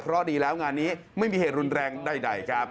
เพราะดีแล้วงานนี้ไม่มีเหตุรุนแรงใดครับ